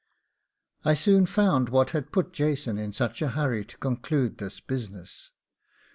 I soon found what had put Jason in such a hurry to conclude this business.